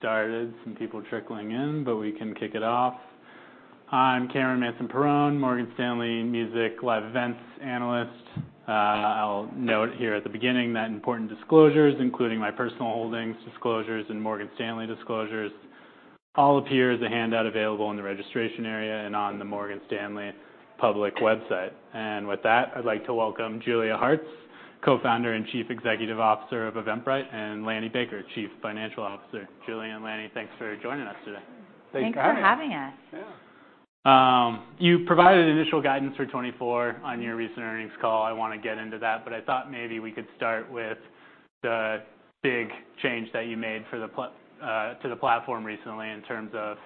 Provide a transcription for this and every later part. started, some people trickling in, but we can kick it off. I'm Cameron Mansson-Perrone, Morgan Stanley Music Live Events analyst. I'll note here at the beginning that important disclosures, including my personal holdings disclosures, and Morgan Stanley disclosures, all appear as a handout available in the registration area and on the Morgan Stanley public website. And with that, I'd like to welcome Julia Hartz, Co-founder and Chief Executive Officer of Eventbrite, and Lanny Baker, Chief Financial Officer. Julia and Lanny, thanks for joining us today. Thanks for having us. Thanks for having us. Yeah. You provided initial guidance for 2024 on your recent earnings call. I want to get into that, but I thought maybe we could start with the big change that you made for the platform recently, in terms of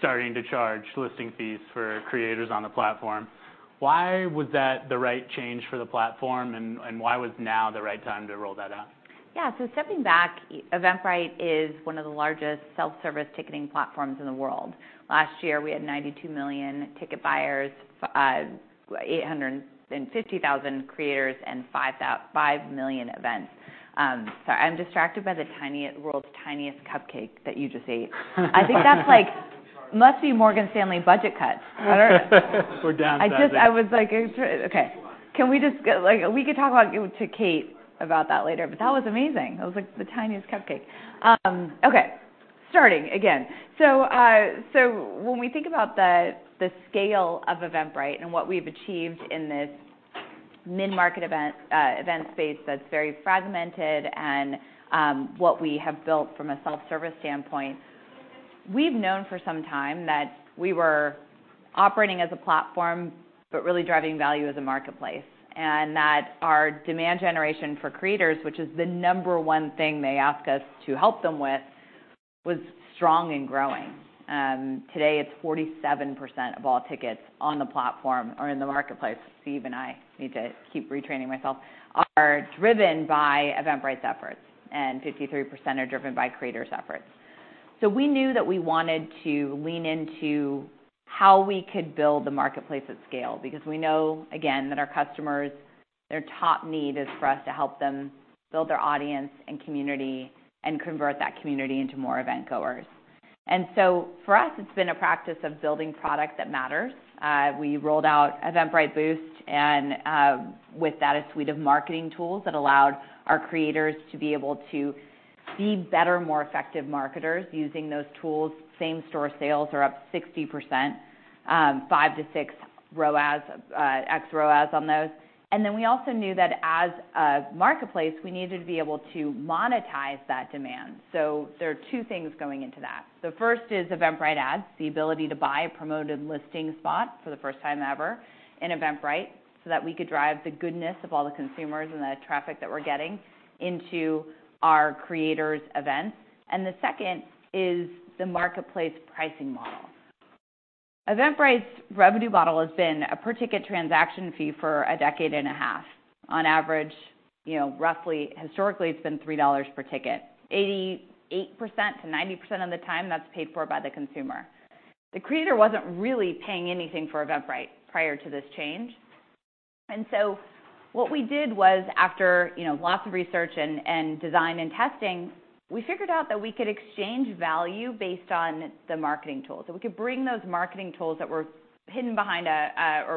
starting to charge listing fees for creators on the platform. Why was that the right change for the platform, and why was now the right time to roll that out? Yeah. So stepping back, Eventbrite is one of the largest self-service ticketing platforms in the world. Last year, we had 92 million ticket buyers, eight hundred and fifty thousand creators, and 5 million events. Sorry, I'm distracted by the world's tiniest cupcake that you just ate. I think that's, like, must be Morgan Stanley budget cuts. I don't know. We're downsizing. I just... I was like, interested. Okay, can we just go- Like, we could talk about to Kate about that later, but that was amazing. That was, like, the tiniest cupcake. Okay, starting again. So, so when we think about the scale of Eventbrite and what we've achieved in this mid-market event space that's very fragmented, and what we have built from a self-service standpoint, we've known for some time that we were operating as a platform, but really driving value as a marketplace. And that our demand generation for creators, which is the number one thing they ask us to help them with, was strong and growing. Today, it's 47% of all tickets on the platform or in the marketplace. See, even and I need to keep retraining myself, are driven by Eventbrite's efforts, and 53% are driven by creators' efforts. So we knew that we wanted to lean into how we could build the marketplace at scale, because we know, again, that our customers, their top need is for us to help them build their audience and community, and convert that community into more eventgoers. And so for us, it's been a practice of building products that matters. We rolled out Eventbrite Boost, and with that, a suite of marketing tools that allowed our creators to be able to be better, more effective marketers using those tools. Same store sales are up 60%, 5-6x ROAS on those. And then we also knew that as a marketplace, we needed to be able to monetize that demand. So there are two things going into that. The first is Eventbrite Ads, the ability to buy a promoted listing spot for the first time ever in Eventbrite, so that we could drive the goodness of all the consumers and the traffic that we're getting into our creators' events. And the second is the marketplace pricing model. Eventbrite's revenue model has been a per-ticket transaction fee for a decade and a half. On average, you know, roughly, historically, it's been $3 per ticket. 88%-90% of the time, that's paid for by the consumer. The creator wasn't really paying anything for Eventbrite prior to this change. And so what we did was after, you know, lots of research and design and testing, we figured out that we could exchange value based on the marketing tools. So we could bring those marketing tools that were hidden behind a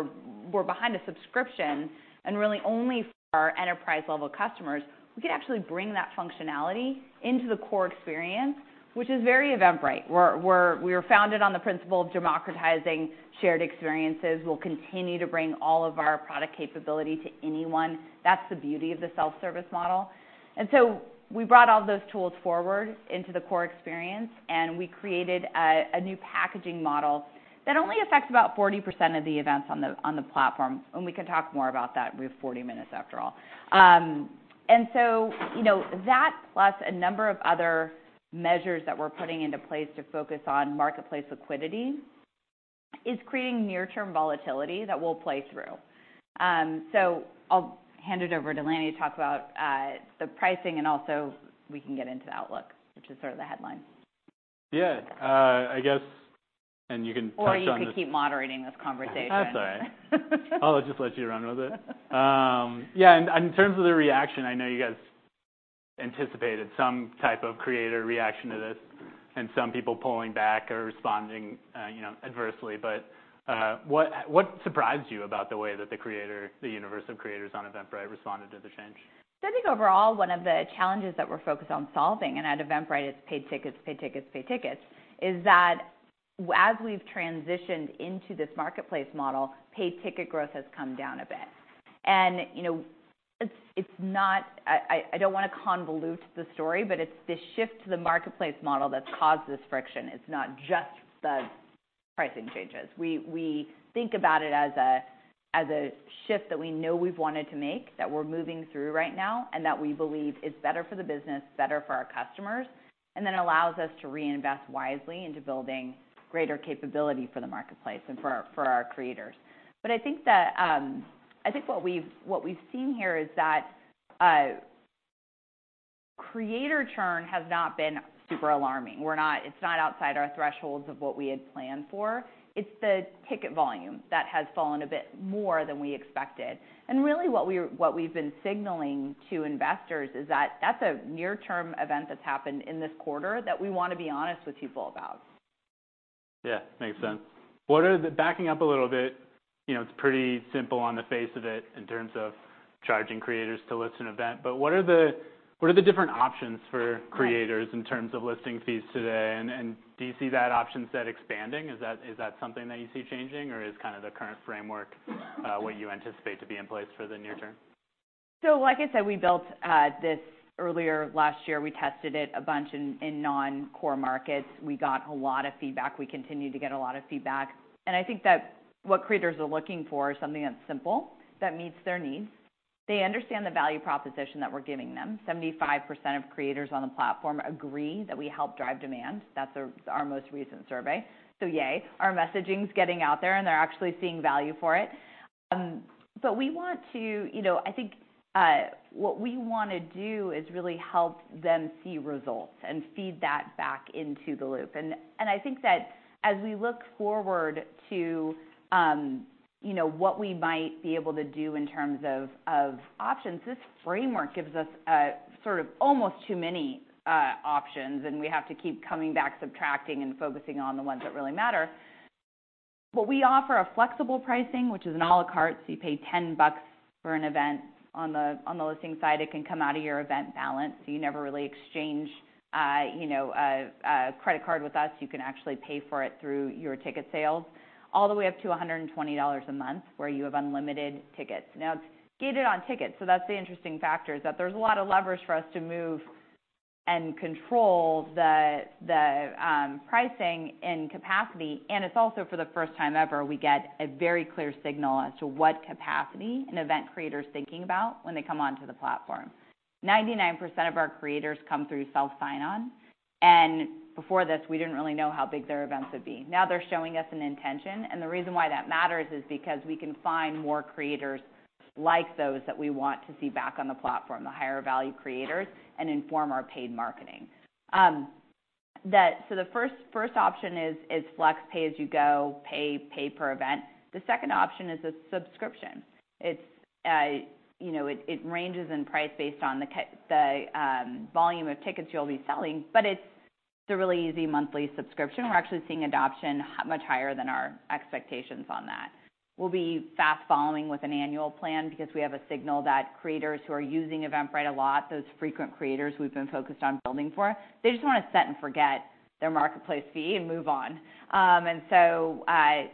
subscription, and really only for our enterprise-level customers, we could actually bring that functionality into the core experience, which is very Eventbrite, where we're. We were founded on the principle of democratizing shared experiences. We'll continue to bring all of our product capability to anyone. That's the beauty of the self-service model. And so we brought all those tools forward into the core experience, and we created a new packaging model that only affects about 40% of the events on the platform. And we can talk more about that. We have 40 minutes after all. And so, you know, that plus a number of other measures that we're putting into place to focus on marketplace liquidity, is creating near-term volatility that we'll play through. So I'll hand it over to Lanny to talk about the pricing, and also we can get into the outlook, which is sort of the headline. Yeah, I guess, and you can touch on- Or you could keep moderating this conversation. That's all right. I'll just let you run with it. Yeah, and in terms of the reaction, I know you guys anticipated some type of creator reaction to this, and some people pulling back or responding, you know, adversely. But, what surprised you about the way that the creator, the universe of creators on Eventbrite, responded to the change? So I think overall, one of the challenges that we're focused on solving, and at Eventbrite, it's paid tickets, paid tickets, paid tickets, is that as we've transitioned into this marketplace model, paid ticket growth has come down a bit. And, you know, it's, it's not... I don't want to convolute the story, but it's the shift to the marketplace model that's caused this friction. It's not just the pricing changes. We think about it as a, as a shift that we know we've wanted to make, that we're moving through right now, and that we believe is better for the business, better for our customers, and then allows us to reinvest wisely into building greater capability for the marketplace and for our, for our creators. But I think what we've seen here is that creator churn has not been super alarming. We're not. It's not outside our thresholds of what we had planned for. It's the ticket volume that has fallen a bit more than we expected. And really, what we've been signaling to investors is that that's a near-term event that's happened in this quarter, that we want to be honest with people about.... Yeah, makes sense. What are the, backing up a little bit, you know, it's pretty simple on the face of it in terms of charging creators to list an event, but what are the, what are the different options for creators in terms of listing fees today? And, and do you see that option set expanding? Is that, is that something that you see changing, or is kind of the current framework, what you anticipate to be in place for the near term? So, like I said, we built this earlier last year. We tested it a bunch in non-core markets. We got a lot of feedback. We continued to get a lot of feedback. I think that what creators are looking for is something that's simple, that meets their needs. They understand the value proposition that we're giving them. 75% of creators on the platform agree that we help drive demand. That's our most recent survey. So, yay! Our messaging's getting out there, and they're actually seeing value for it. But we want to, you know, I think what we wanna do is really help them see results and feed that back into the loop. And I think that as we look forward to, you know, what we might be able to do in terms of options, this framework gives us a sort of almost too many options, and we have to keep coming back, subtracting and focusing on the ones that really matter. But we offer a flexible pricing, which is an à la carte, so you pay $10 for an event. On the listing side, it can come out of your event balance, so you never really exchange, you know, a credit card with us. You can actually pay for it through your ticket sales, all the way up to $120 a month, where you have unlimited tickets. Now, it's gated on tickets, so that's the interesting factor, is that there's a lot of levers for us to move and control the pricing and capacity, and it's also, for the first time ever, we get a very clear signal as to what capacity an event creator is thinking about when they come onto the platform. 99% of our creators come through Self Sign-On, and before this, we didn't really know how big their events would be. Now they're showing us an intention, and the reason why that matters is because we can find more creators like those that we want to see back on the platform, the higher value creators, and inform our paid marketing. That—so the first option is Flex pay as you go, pay per event. The second option is a subscription. It's, you know, it ranges in price based on the volume of tickets you'll be selling, but it's a really easy monthly subscription. We're actually seeing adoption much higher than our expectations on that. We'll be fast following with an annual plan because we have a signal that creators who are using Eventbrite a lot, those frequent creators we've been focused on building for, they just want to set and forget their marketplace fee and move on. And so,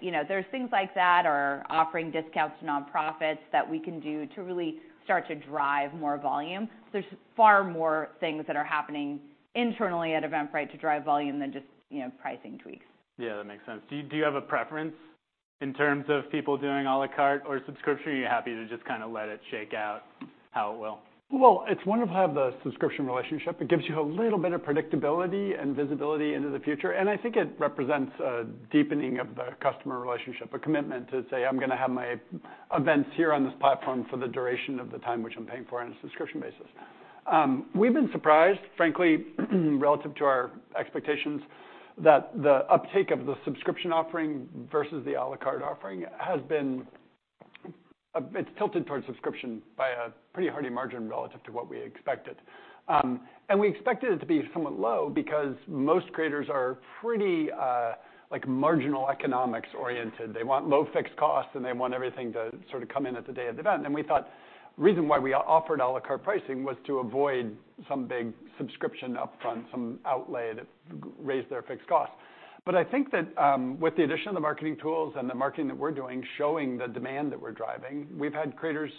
you know, there's things like that or offering discounts to nonprofits that we can do to really start to drive more volume. There's far more things that are happening internally at Eventbrite to drive volume than just, you know, pricing tweaks. Yeah, that makes sense. Do you, do you have a preference in terms of people doing à la carte or subscription, or are you happy to just kind of let it shake out, how it will? Well, it's wonderful to have the subscription relationship. It gives you a little bit of predictability and visibility into the future, and I think it represents a deepening of the customer relationship, a commitment to say, "I'm gonna have my events here on this platform for the duration of the time, which I'm paying for on a subscription basis." We've been surprised, frankly, relative to our expectations, that the uptake of the subscription offering versus the à la carte offering has been... it's tilted towards subscription by a pretty hearty margin relative to what we expected. And we expected it to be somewhat low because most creators are pretty, like, marginal economics oriented. They want low fixed costs, and they want everything to sort of come in at the day of the event. And we thought, reason why we offered à la carte pricing was to avoid some big subscription upfront, some outlay that raised their fixed costs. But I think that, with the addition of the marketing tools and the marketing that we're doing, showing the demand that we're driving, we've had creators.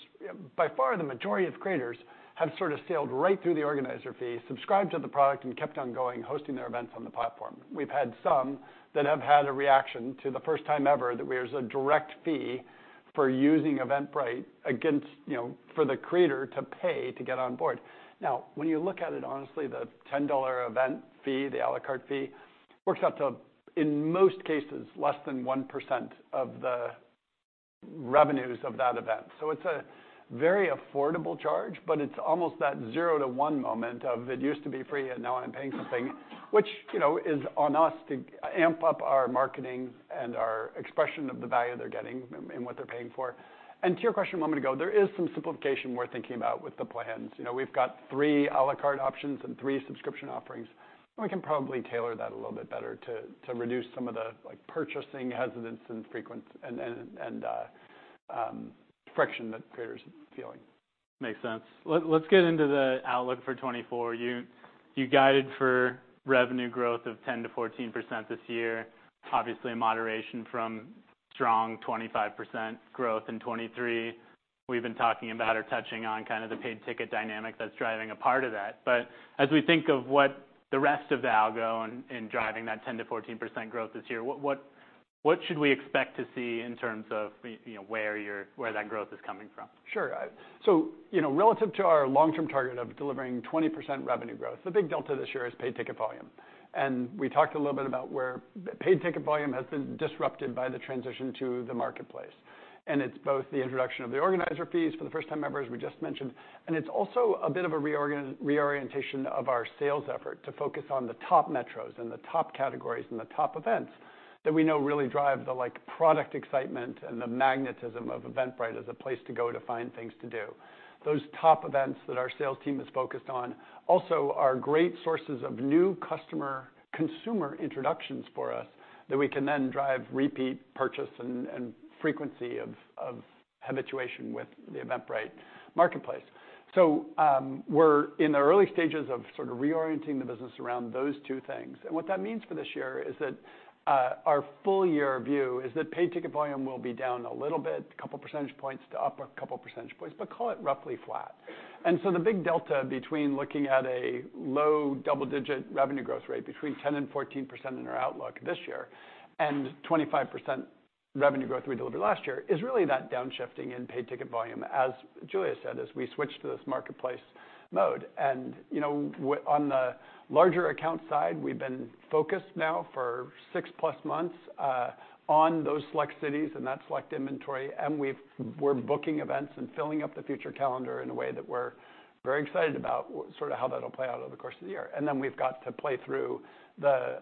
By far, the majority of creators have sort of sailed right through the organizer fee, subscribed to the product and kept on going, hosting their events on the platform. We've had some that have had a reaction to the first time ever that there's a direct fee for using Eventbrite against, you know, for the creator to pay to get on board. Now, when you look at it, honestly, the $10 event fee, the à la carte fee, works out to, in most cases, less than 1% of the revenues of that event. So it's a very affordable charge, but it's almost that zero to one moment of, "It used to be free, and now I'm paying something," which, you know, is on us to amp up our marketing and our expression of the value they're getting and what they're paying for. And to your question a moment ago, there is some simplification we're thinking about with the plans. You know, we've got three à la carte options and three subscription offerings, and we can probably tailor that a little bit better to reduce some of the, like, purchasing hesitance and friction that creators are feeling. Makes sense. Let's get into the outlook for 2024. You guided for revenue growth of 10%-14% this year. Obviously, a moderation from strong 25% growth in 2023. We've been talking about or touching on kind of the paid ticket dynamic that's driving a part of that. But as we think of what the rest of the algo and driving that 10%-14% growth this year, what should we expect to see in terms of, you know, where that growth is coming from? Sure. So, you know, relative to our long-term target of delivering 20% revenue growth, the big delta this year is paid ticket volume. We talked a little bit about where paid ticket volume has been disrupted by the transition to the marketplace. It's both the introduction of the organizer fees for the first time ever, as we just mentioned, and it's also a bit of a reorientation of our sales effort to focus on the top metros and the top categories and the top events that we know really drive the, like, product excitement and the magnetism of Eventbrite as a place to go to find things to do. Those top events that our sales team is focused on also are great sources of new customer, consumer introductions for us, that we can then drive repeat purchase and frequency of habituation with the Eventbrite marketplace. So, we're in the early stages of sort of reorienting the business around those two things. And what that means for this year is that our full year view is that paid ticket volume will be down a little bit, a couple percentage points to up a couple percentage points, but call it roughly flat. And so the big delta between looking at a low double-digit revenue growth rate between 10%-14% in our outlook this year, and 25% revenue growth we delivered last year, is really that downshifting in paid ticket volume, as Julia said, as we switch to this marketplace mode. You know, on the larger account side, we've been focused now for 6 plus months on those select cities and that select inventory, and we're booking events and filling up the future calendar in a way that we're very excited about, sort of how that'll play out over the course of the year. And then we've got to play through the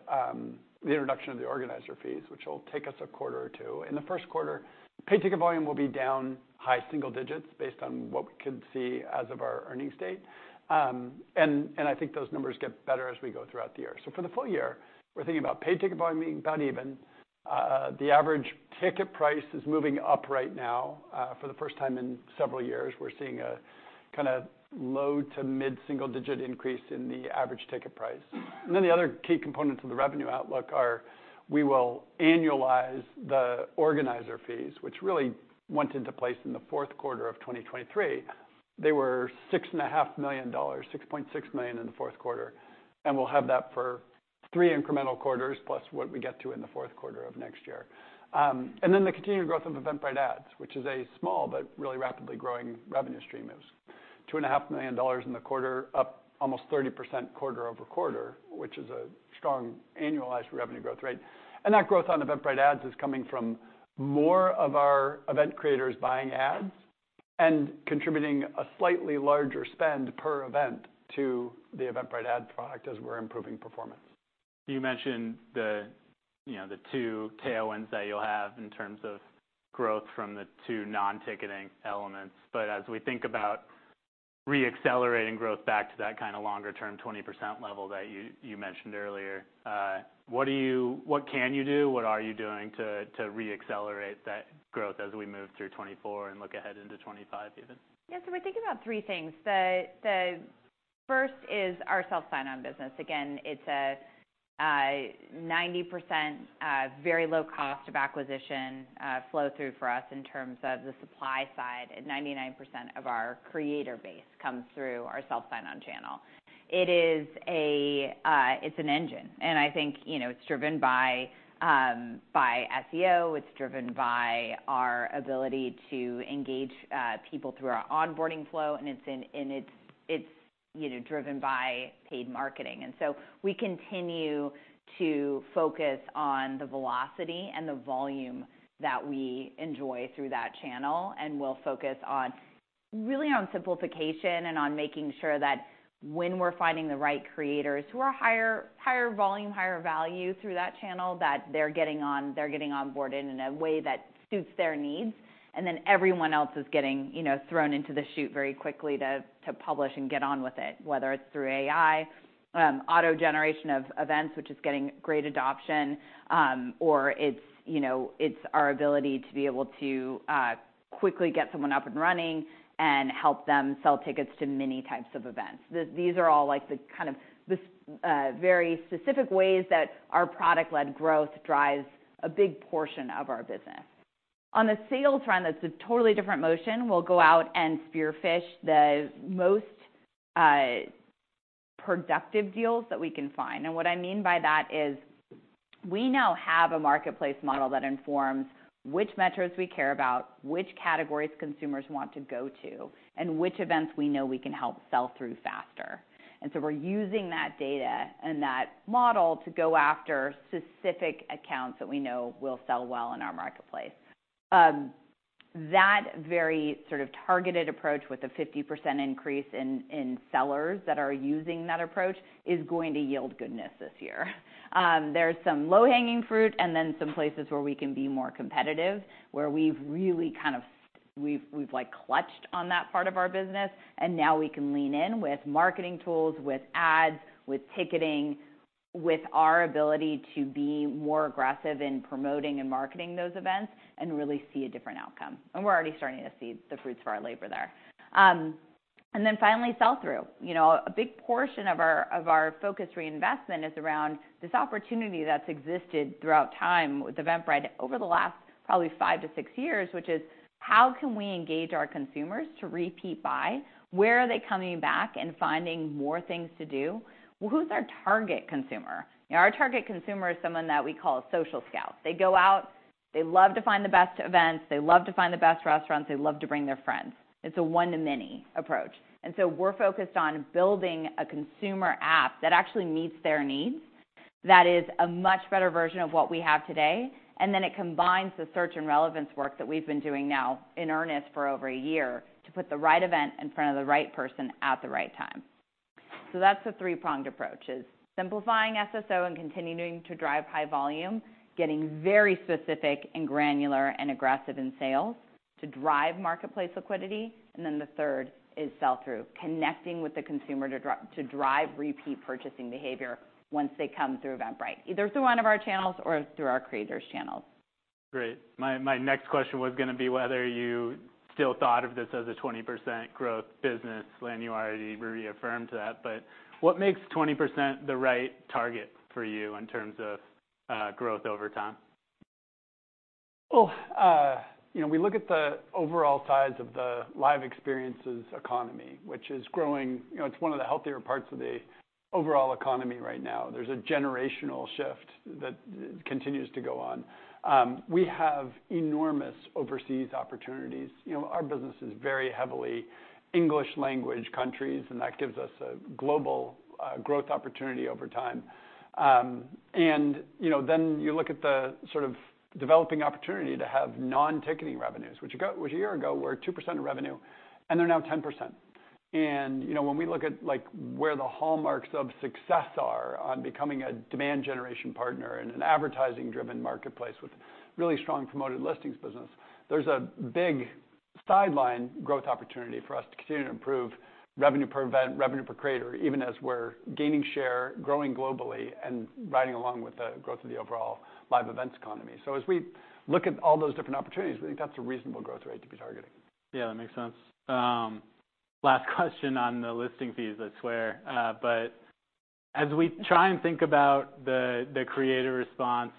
introduction of the organizer fees, which will take us a quarter or two. In the first quarter, paid ticket volume will be down high single digits, based on what we can see as of our earnings date. And I think those numbers get better as we go throughout the year. So for the full year, we're thinking about paid ticket volume being about even. The average ticket price is moving up right now, for the first time in several years. We're seeing a kind of low- to mid-single-digit increase in the average ticket price. And then the other key components of the revenue outlook are, we will annualize the organizer fees, which really went into place in the fourth quarter of 2023. They were $6.5 million, $6.6 million in the fourth quarter, and we'll have that for three incremental quarters, plus what we get to in the fourth quarter of next year. And then the continued growth of Eventbrite Ads, which is a small but really rapidly growing revenue stream. It was $2.5 million in the quarter, up almost 30% quarter-over-quarter, which is a strong annualized revenue growth rate. That growth on Eventbrite Ads is coming from more of our event creators buying ads and contributing a slightly larger spend per event to the Eventbrite Ads product as we're improving performance. You mentioned the, you know, the two tailwinds that you'll have in terms of growth from the two non-ticketing elements. But as we think about reaccelerating growth back to that kind of longer term, 20% level that you, you mentioned earlier, what do you—what can you do? What are you doing to, to reaccelerate that growth as we move through 2024 and look ahead into 2025, even? Yeah, so we're thinking about three things. The first is our Self Sign-On business. Again, it's a 90% very low cost of acquisition flow through for us in terms of the supply side, and 99% of our creator base comes through our Self Sign-On channel. It is a... it's an engine, and I think, you know, it's driven by SEO, it's driven by our ability to engage people through our onboarding flow, and it's in- and it's, it's, you know, driven by paid marketing. And so we continue to focus on the velocity and the volume that we enjoy through that channel, and we'll focus on, really on simplification and on making sure that when we're finding the right creators who are higher, higher volume, higher value through that channel, that they're getting onboarded in a way that suits their needs. And then everyone else is getting, you know, thrown into the chute very quickly to publish and get on with it, whether it's through AI auto generation of events, which is getting great adoption, or it's, you know, it's our ability to be able to quickly get someone up and running and help them sell tickets to many types of events. These are all, like, the kind of very specific ways that our product-led growth drives a big portion of our business. On the sales front, that's a totally different motion. We'll go out and spearfish the most productive deals that we can find. And what I mean by that is, we now have a marketplace model that informs which metros we care about, which categories consumers want to go to, and which events we know we can help sell through faster. And so we're using that data and that model to go after specific accounts that we know will sell well in our marketplace. That very sort of targeted approach, with a 50% increase in sellers that are using that approach, is going to yield goodness this year. There's some low-hanging fruit and then some places where we can be more competitive, where we've really like clutched on that part of our business, and now we can lean in with marketing tools, with ads, with ticketing, with our ability to be more aggressive in promoting and marketing those events, and really see a different outcome. We're already starting to see the fruits of our labor there. Then finally, sell-through. You know, a big portion of our focused reinvestment is around this opportunity that's existed throughout time with Eventbrite over the last, probably 5-6 years, which is: How can we engage our consumers to repeat buy? Where are they coming back and finding more things to do? Well, who's our target consumer? Our target consumer is someone that we call a Social Scout. They go out, they love to find the best events, they love to find the best restaurants, they love to bring their friends. It's a one-to-many approach. And so we're focused on building a consumer app that actually meets their needs, that is a much better version of what we have today, and then it combines the search and relevance work that we've been doing now in earnest for over a year, to put the right event in front of the right person at the right time. So that's the three-pronged approach, is simplifying SSO and continuing to drive high volume, getting very specific and granular and aggressive in sales to drive marketplace liquidity, and then the third is sell-through, connecting with the consumer to drive repeat purchasing behavior once they come through Eventbrite, either through one of our channels or through our creators' channels.... Great. My, my next question was going to be whether you still thought of this as a 20% growth business when you already reaffirmed that. But what makes 20% the right target for you in terms of growth over time? Well, you know, we look at the overall size of the live experiences economy, which is growing. You know, it's one of the healthier parts of the overall economy right now. There's a generational shift that continues to go on. We have enormous overseas opportunities. You know, our business is very heavily English language countries, and that gives us a global, growth opportunity over time. And, you know, then you look at the sort of developing opportunity to have non-ticketing revenues, which a year ago were 2% of revenue, and they're now 10%. You know, when we look at, like, where the hallmarks of success are on becoming a demand generation partner and an advertising-driven marketplace with really strong promoted listings business, there's a big sizable growth opportunity for us to continue to improve revenue per event, revenue per creator, even as we're gaining share, growing globally and riding along with the growth of the overall live events economy. As we look at all those different opportunities, we think that's a reasonable growth rate to be targeting. Yeah, that makes sense. Last question on the listing fees, I swear. But as we try and think about the creator response,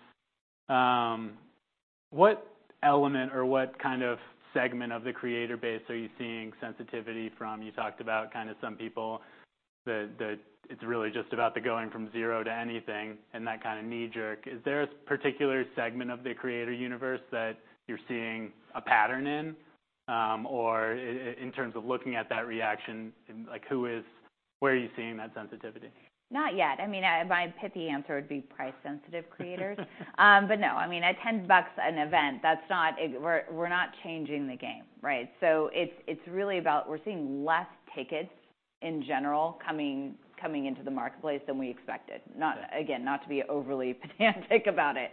what element or what kind of segment of the creator base are you seeing sensitivity from? You talked about kind of some people that it's really just about the going from zero to anything and that kind of knee jerk. Is there a particular segment of the creator universe that you're seeing a pattern in? Or in terms of looking at that reaction, like, where are you seeing that sensitivity? Not yet. I mean, my pithy answer would be price-sensitive creators. But no, I mean, at $10 an event, that's not, we're, we're not changing the game, right? So it's, it's really about we're seeing less tickets in general, coming into the marketplace than we expected. Again, not to be overly pedantic about it.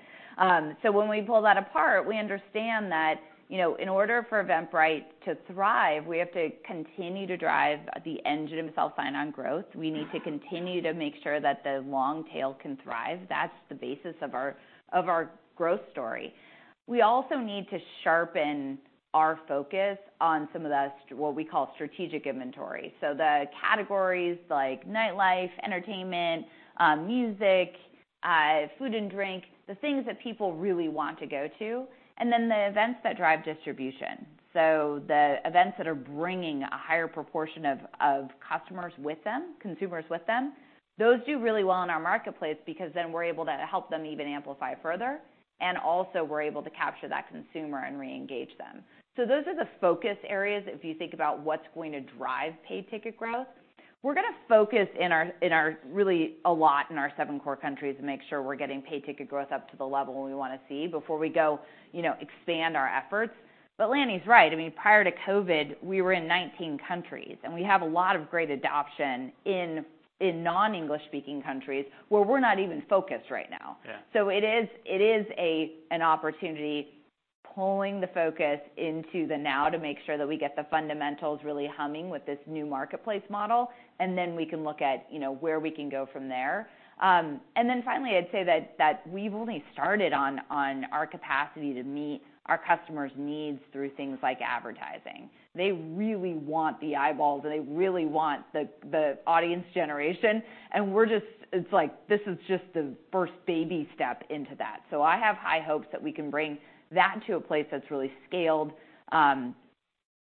So when we pull that apart, we understand that, you know, in order for Eventbrite to thrive, we have to continue to drive the engine self sign-on growth. We need to continue to make sure that the long tail can thrive. That's the basis of our, of our growth story. We also need to sharpen our focus on some of the, what we call strategic inventory. So the categories like nightlife, entertainment, music, food and drink, the things that people really want to go to, and then the events that drive distribution. So the events that are bringing a higher proportion of customers with them, consumers with them, those do really well in our marketplace because then we're able to help them even amplify it further, and also we're able to capture that consumer and reengage them. So those are the focus areas if you think about what's going to drive paid ticket growth. We're gonna focus really a lot in our seven core countries and make sure we're getting paid ticket growth up to the level we want to see before we go, you know, expand our efforts. But Lanny's right. I mean, prior to COVID, we were in 19 countries, and we have a lot of great adoption in non-English speaking countries where we're not even focused right now. Yeah. So it is an opportunity, pulling the focus into the now to make sure that we get the fundamentals really humming with this new marketplace model, and then we can look at, you know, where we can go from there. And then finally, I'd say that we've only started on our capacity to meet our customers' needs through things like advertising. They really want the eyeballs, and they really want the audience generation, and we're just. It's like this is just the first baby step into that. So I have high hopes that we can bring that to a place that's really scaled.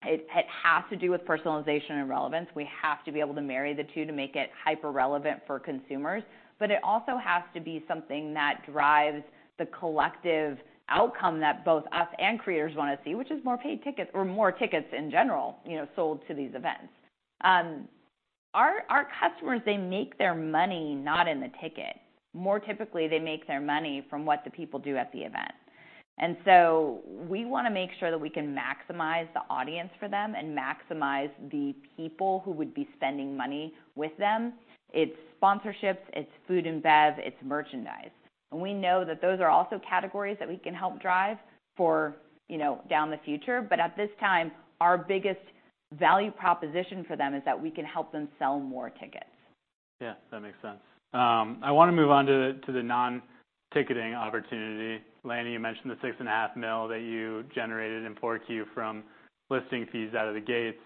It has to do with personalization and relevance. We have to be able to marry the two to make it hyper relevant for consumers. But it also has to be something that drives the collective outcome that both us and creators want to see, which is more paid tickets or more tickets in general, you know, sold to these events. Our customers, they make their money not in the ticket. More typically, they make their money from what the people do at the event. And so we want to make sure that we can maximize the audience for them and maximize the people who would be spending money with them. It's sponsorships, it's food and bev, it's merchandise, and we know that those are also categories that we can help drive for, you know, down the future. But at this time, our biggest value proposition for them is that we can help them sell more tickets. Yeah, that makes sense. I want to move on to the non-ticketing opportunity. Lanny, you mentioned the $6.5 million that you generated in Q4 from listing fees out of the gates.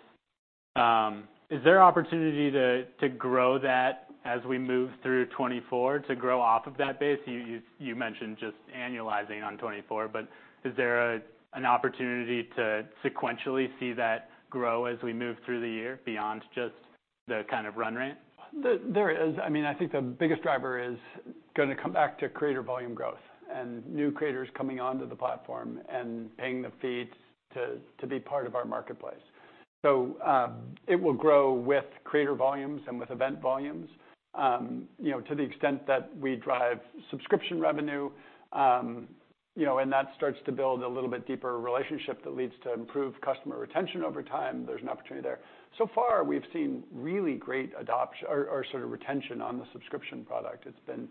Is there opportunity to grow that as we move through 2024 to grow off of that base? You mentioned just annualizing on 2024, but is there an opportunity to sequentially see that grow as we move through the year beyond just the kind of run rate? There is. I mean, I think the biggest driver is gonna come back to creator volume growth and new creators coming onto the platform and paying the fees to be part of our marketplace. So it will grow with creator volumes and with event volumes. You know, to the extent that we drive subscription revenue, you know, and that starts to build a little bit deeper relationship that leads to improved customer retention over time. There's an opportunity there. So far, we've seen really great adoption or sort of retention on the subscription product. It's been,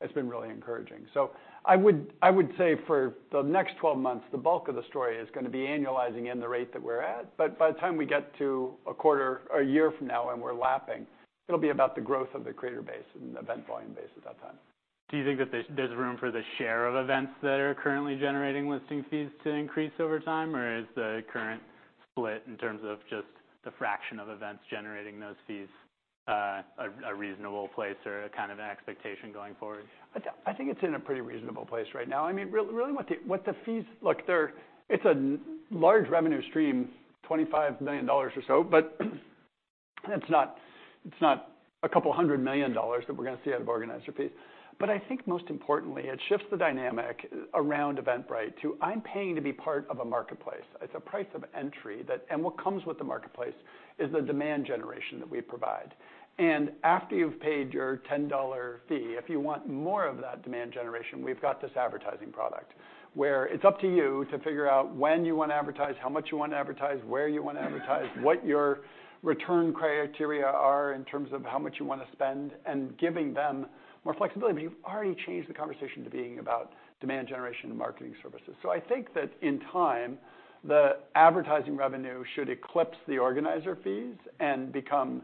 it's been really encouraging. So I would, I would say for the next 12 months, the bulk of the story is gonna be annualizing in the rate that we're at. By the time we get to a quarter or a year from now and we're lapping, it'll be about the growth of the creator base and event volume base at that time.... Do you think that there's room for the share of events that are currently generating listing fees to increase over time? Or is the current split in terms of just the fraction of events generating those fees a reasonable place or a kind of an expectation going forward? I think it's in a pretty reasonable place right now. I mean, really, what the fees. Look, they're. It's a large revenue stream, $25 million or so, but it's not, it's not a couple hundred million dollars that we're gonna see out of organizer fees. But I think most importantly, it shifts the dynamic around Eventbrite to, "I'm paying to be part of a marketplace." It's a price of entry that. And what comes with the marketplace is the demand generation that we provide. And after you've paid your $10 fee, if you want more of that demand generation, we've got this advertising product, where it's up to you to figure out when you want to advertise, how much you want to advertise, where you want to advertise, what your return criteria are in terms of how much you want to spend, and giving them more flexibility. But you've already changed the conversation to being about demand generation and marketing services. So I think that in time, the advertising revenue should eclipse the organizer fees and become...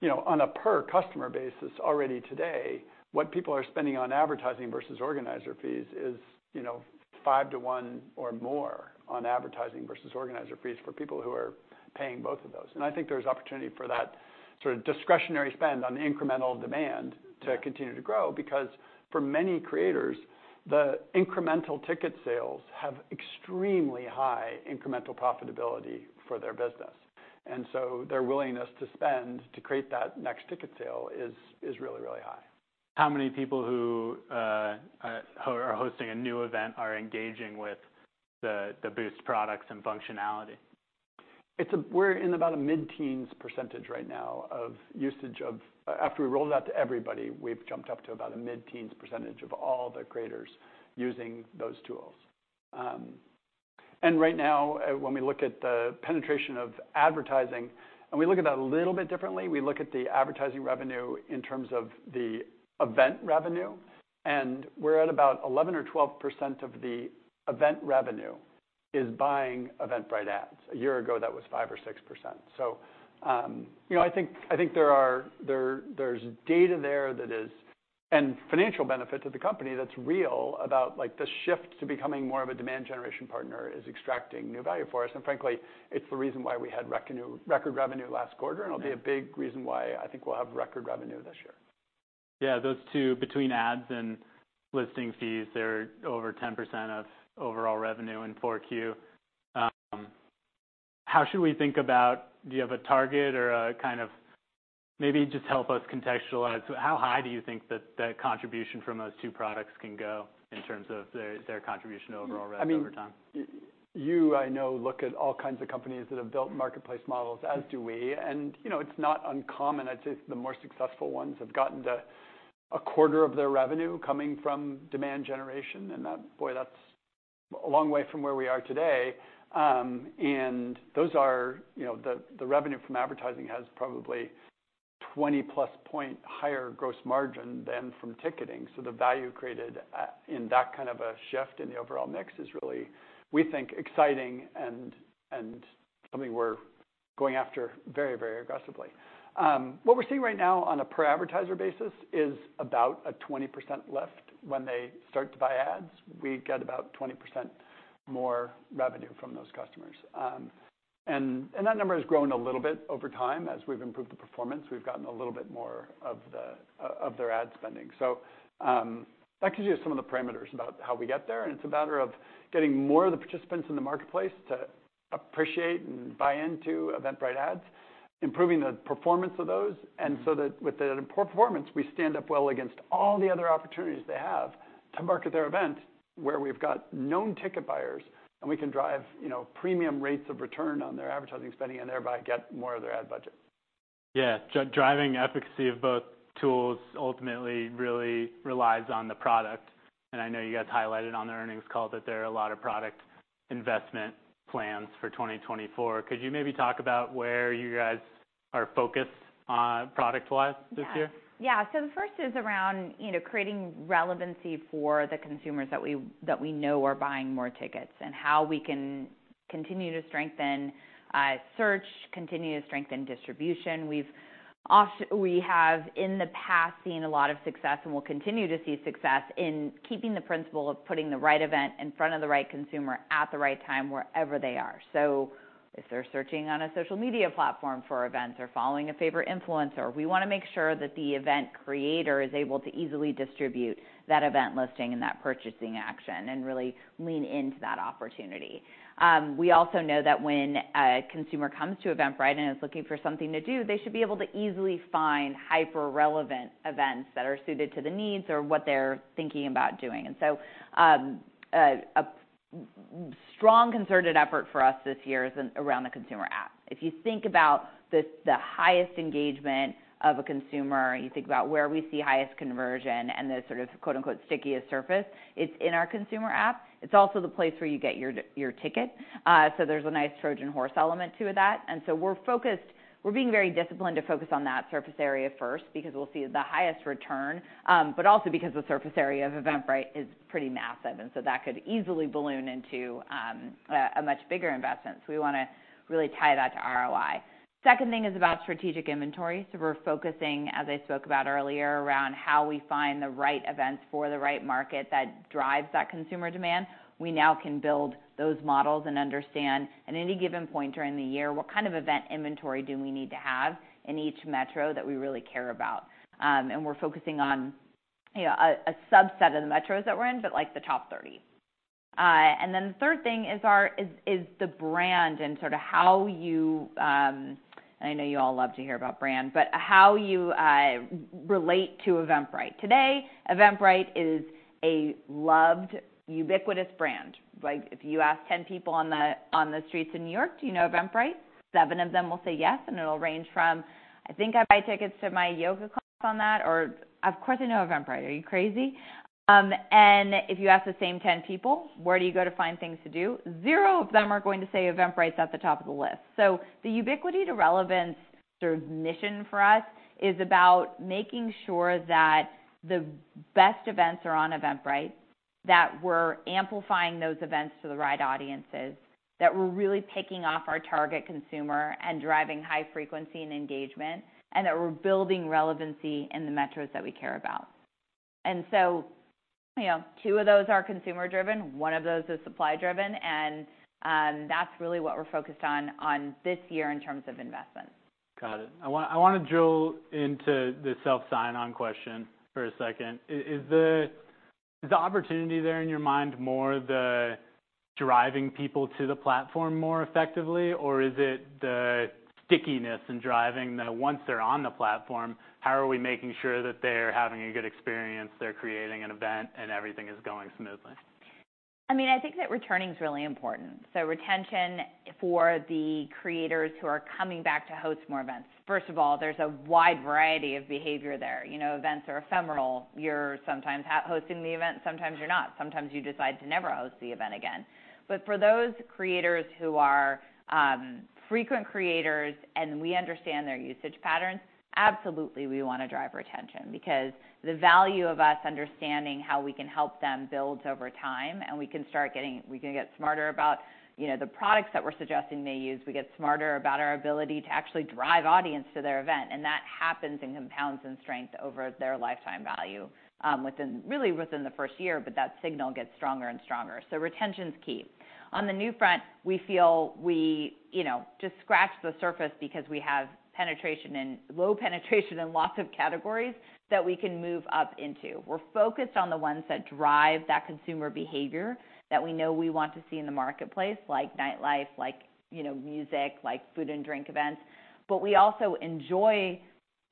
You know, on a per customer basis already today, what people are spending on advertising versus organizer fees is, you know, 5-to-1 or more on advertising versus organizer fees for people who are paying both of those. I think there's opportunity for that sort of discretionary spend on incremental demand to continue to grow, because for many creators, the incremental ticket sales have extremely high incremental profitability for their business. And so their willingness to spend to create that next ticket sale is really, really high. How many people who are hosting a new event are engaging with the Boost products and functionality? We're in about a mid-teens percentage right now of usage. After we rolled it out to everybody, we've jumped up to about a mid-teens percentage of all the creators using those tools. And right now, when we look at the penetration of advertising, and we look at that a little bit differently, we look at the advertising revenue in terms of the event revenue, and we're at about 11 or 12% of the event revenue is buying Eventbrite Ads. A year ago, that was 5 or 6%. So, you know, I think there is data there that is and financial benefit to the company that's real about, like, this shift to becoming more of a demand generation partner is extracting new value for us. Frankly, it's the reason why we had record revenue last quarter, and it'll be a big reason why I think we'll have record revenue this year. Yeah, those two, between ads and listing fees, they're over 10% of overall revenue in Q4. How should we think about... Do you have a target or a kind of— Maybe just help us contextualize, how high do you think that that contribution from those two products can go in terms of their, their contribution to overall revenue over time? I mean, you know, look at all kinds of companies that have built marketplace models, as do we. And, you know, it's not uncommon. I'd say the more successful ones have gotten to a quarter of their revenue coming from demand generation, and that boy, that's a long way from where we are today. And those are, you know, the revenue from advertising has probably 20-plus point higher gross margin than from ticketing. So the value created in that kind of a shift in the overall mix is really, we think, exciting and something we're going after very, very aggressively. What we're seeing right now on a per advertiser basis is about a 20% lift. When they start to buy ads, we get about 20% more revenue from those customers. And that number has grown a little bit over time. As we've improved the performance, we've gotten a little bit more of their ad spending. So, that gives you some of the parameters about how we get there, and it's a matter of getting more of the participants in the marketplace to appreciate and buy into Eventbrite Ads, improving the performance of those. And so that with the poor performance, we stand up well against all the other opportunities they have to market their event, where we've got known ticket buyers, and we can drive, you know, premium rates of return on their advertising spending, and thereby get more of their ad budget. Yeah, driving efficacy of both tools ultimately really relies on the product. I know you guys highlighted on the earnings call that there are a lot of product investment plans for 2024. Could you maybe talk about where you guys are focused on product-wise this year? Yeah. Yeah, so the first is around, you know, creating relevancy for the consumers that we, that we know are buying more tickets, and how we can continue to strengthen search, continue to strengthen distribution. We've also—we have, in the past, seen a lot of success, and we'll continue to see success in keeping the principle of putting the right event in front of the right consumer at the right time, wherever they are. So if they're searching on a social media platform for events or following a favorite influencer, we wanna make sure that the event creator is able to easily distribute that event listing and that purchasing action, and really lean into that opportunity. We also know that when a consumer comes to Eventbrite and is looking for something to do, they should be able to easily find hyper-relevant events that are suited to the needs or what they're thinking about doing. And so, a strong concerted effort for us this year is around the consumer app. If you think about the highest engagement of a consumer, you think about where we see highest conversion and the sort of, quote, unquote, "stickiest surface," it's in our consumer app. It's also the place where you get your ticket. So there's a nice Trojan horse element to that. And so we're focused—we're being very disciplined to focus on that surface area first, because we'll see the highest return, but also because the surface area of Eventbrite is pretty massive, and so that could easily balloon into a much bigger investment. So we wanna really tie that to ROI. Second thing is about strategic inventory. So we're focusing, as I spoke about earlier, around how we find the right events for the right market that drives that consumer demand. We now can build those models and understand, at any given point during the year, what kind of event inventory do we need to have in each metro that we really care about. And we're focusing on—you know, a subset of the metros that we're in, but like the top 30. And then the third thing is our brand and sort of how you... And I know you all love to hear about brand, but how you relate to Eventbrite. Today, Eventbrite is a loved, ubiquitous brand. Like, if you ask 10 people on the streets of New York, "Do you know Eventbrite?" Seven of them will say yes, and it'll range from, "I think I buy tickets to my yoga class on that," or, "Of course, I know Eventbrite, are you crazy?" And if you ask the same 10 people, "Where do you go to find things to do?" Zero of them are going to say Eventbrite at the top of the list. So the ubiquity to relevance sort of mission for us is about making sure that the best events are on Eventbrite, that we're amplifying those events to the right audiences, that we're really picking off our target consumer and driving high frequency and engagement, and that we're building relevancy in the metros that we care about. And so, you know, two of those are consumer-driven, one of those is supply-driven, and that's really what we're focused on, on this year in terms of investments. Got it. I wanna drill into the self sign-on question for a second. Is the opportunity there in your mind more the driving people to the platform more effectively? Or is it the stickiness in driving the once they're on the platform, how are we making sure that they're having a good experience, they're creating an event, and everything is going smoothly? I mean, I think that returning is really important, so retention for the creators who are coming back to host more events. First of all, there's a wide variety of behavior there. You know, events are ephemeral. You're sometimes hosting the event, sometimes you're not. Sometimes you decide to never host the event again. But for those creators who are frequent creators, and we understand their usage patterns, absolutely, we wanna drive retention. Because the value of us understanding how we can help them builds over time, and we can get smarter about, you know, the products that we're suggesting they use. We get smarter about our ability to actually drive audience to their event, and that happens and compounds in strength over their lifetime value, within, really, within the first year, but that signal gets stronger and stronger. So retention's key. On the new front, we feel we, you know, just scratch the surface because we have penetration low penetration and lots of categories that we can move up into. We're focused on the ones that drive that consumer behavior, that we know we want to see in the marketplace, like nightlife, like, you know, music, like food and drink events. But we also enjoy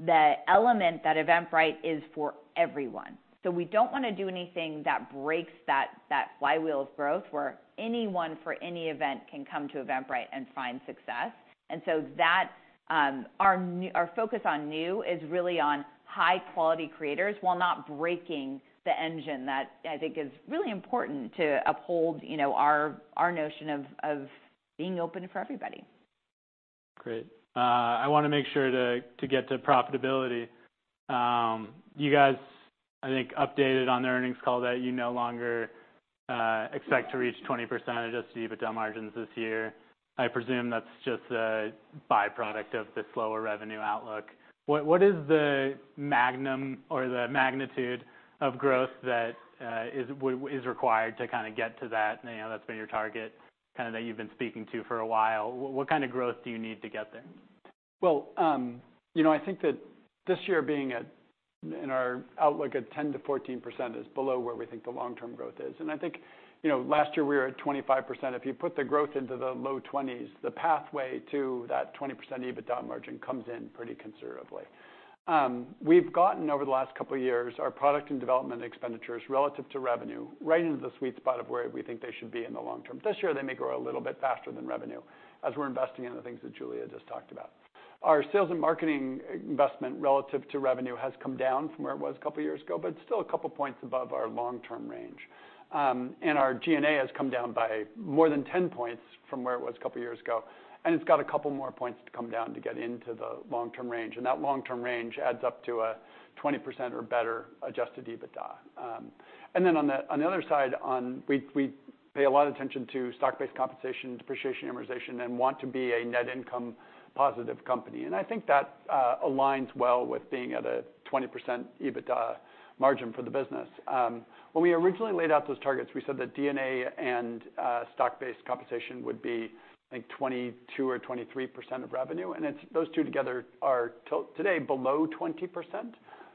the element that Eventbrite is for everyone. So we don't wanna do anything that breaks that, that flywheel of growth, where anyone, for any event, can come to Eventbrite and find success. And so that, Our our focus on new is really on high-quality creators, while not breaking the engine. That, I think, is really important to uphold, you know, our, our notion of, of being open for everybody. Great. I wanna make sure to, to get to profitability. You guys, I think, updated on the earnings call that you no longer expect to reach 20% Adjusted EBITDA margins this year. I presume that's just a by-product of the slower revenue outlook. What, what is the magnetism or the magnitude of growth that is required to kinda get to that? I know that's been your target, kind of that you've been speaking to for a while. What, what kind of growth do you need to get there? Well, you know, I think that this year being at, in our outlook at 10%-14% is below where we think the long-term growth is. I think, you know, last year we were at 25%. If you put the growth into the low 20s, the pathway to that 20% EBITDA margin comes in pretty considerably. We've gotten, over the last couple of years, our product and development expenditures relative to revenue, right into the sweet spot of where we think they should be in the long term. This year, they may grow a little bit faster than revenue, as we're investing in the things that Julia just talked about. Our sales and marketing investment relative to revenue has come down from where it was a couple of years ago, but it's still a couple points above our long-term range. Our G&A has come down by more than 10 points from where it was a couple of years ago, and it's got a couple more points to come down to get into the long-term range, and that long-term range adds up to a 20% or better Adjusted EBITDA. And then on the other side, we pay a lot of attention to stock-based compensation, depreciation, amortization, and want to be a net income positive company. And I think that aligns well with being at a 20% EBITDA margin for the business. When we originally laid out those targets, we said that G&A and stock-based compensation would be, I think, 22% or 23% of revenue, and those two together are today below 20%.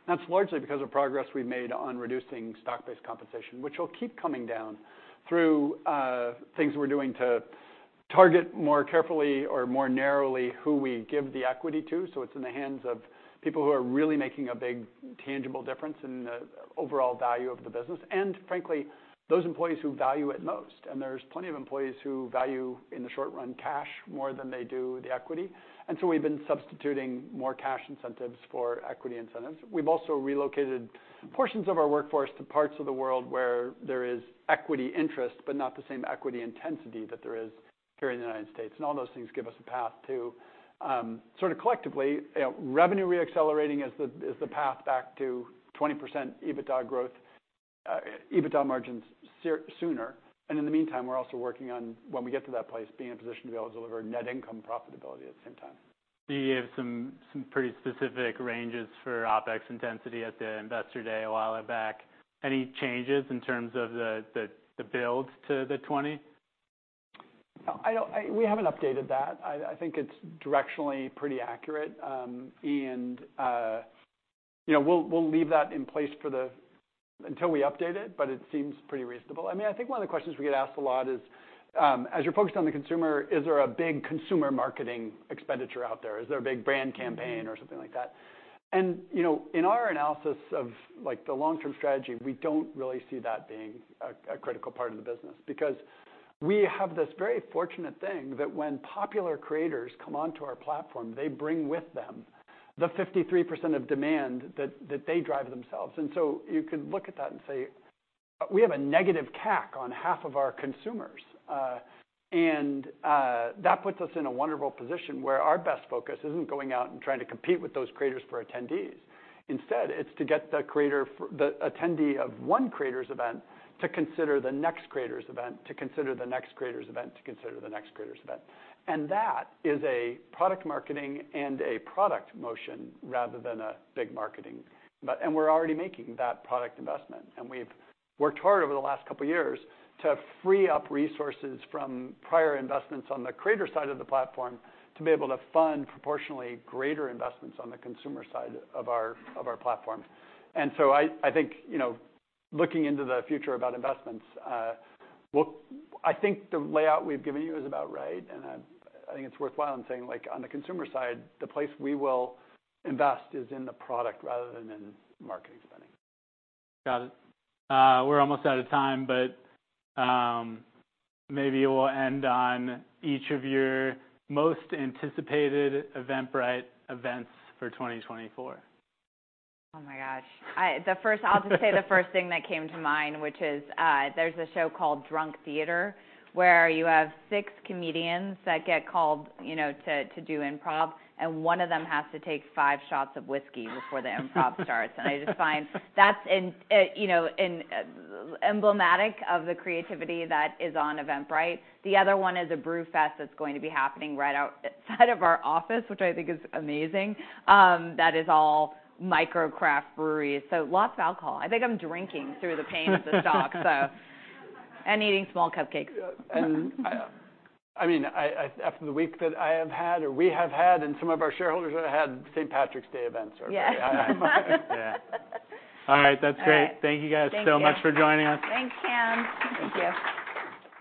That's largely because of progress we've made on reducing stock-based compensation, which will keep coming down through, things we're doing to target more carefully or more narrowly, who we give the equity to. So it's in the hands of people who are really making a big, tangible difference in the overall value of the business, and frankly, those employees who value it most. And there's plenty of employees who value, in the short run, cash more than they do the equity, and so we've been substituting more cash incentives for equity incentives. We've also relocated portions of our workforce to parts of the world where there is equity interest, but not the same equity intensity that there is here in the United States. All those things give us a path to, sort of collectively, you know, revenue re-accelerating is the path back to 20% EBITDA growth, EBITDA margins sooner. In the meantime, we're also working on, when we get to that place, being in a position to be able to deliver net income profitability at the same time. You gave some pretty specific ranges for OpEx intensity at the Investor Day a while back. Any changes in terms of the build to the 20?... No, I don't. We haven't updated that. I think it's directionally pretty accurate. And you know, we'll leave that in place until we update it, but it seems pretty reasonable. I mean, I think one of the questions we get asked a lot is, as you're focused on the consumer, is there a big consumer marketing expenditure out there? Is there a big brand campaign or something like that? And you know, in our analysis of, like, the long-term strategy, we don't really see that being a critical part of the business. Because we have this very fortunate thing that when popular creators come onto our platform, they bring with them the 53% of demand that they drive themselves. And so you could look at that and say, we have a negative CAC on half of our consumers. That puts us in a wonderful position where our best focus isn't going out and trying to compete with those creators for attendees. Instead, it's to get the attendee of one creator's event to consider the next creator's event, to consider the next creator's event, to consider the next creator's event. And that is a product marketing and a product motion rather than a big marketing. And we're already making that product investment, and we've worked hard over the last couple of years to free up resources from prior investments on the creator side of the platform to be able to fund proportionally greater investments on the consumer side of our platform. I think, you know, looking into the future about investments, I think the layout we've given you is about right, and I think it's worthwhile in saying, like, on the consumer side, the place we will invest is in the product rather than in marketing spending. Got it. We're almost out of time, but, maybe we'll end on each of your most anticipated Eventbrite events for 2024. Oh, my gosh! I'll just say the first thing that came to mind, which is, there's a show called Drunk Theatre, where you have six comedians that get called, you know, to do improv, and one of them has to take five shots of whiskey before the improv starts. And I just find that's emblematic of the creativity that is on Eventbrite. The other one is a brew fest that's going to be happening right outside of our office, which I think is amazing. That is all micro craft breweries, so lots of alcohol. I think I'm drinking through the pain of the stock, so... And eating small cupcakes. I mean, after the week that I have had, or we have had, and some of our shareholders have had St. Patrick's Day events are- Yeah. I, I- Yeah. All right. That's great. All right. Thank you, guys, so much for joining us. Thank you. Thanks, Cam. Thank you.